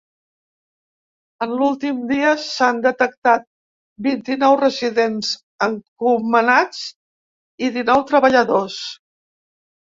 En l’últim dia s’han detectat vint-i-nou residents encomanats i dinou treballadors.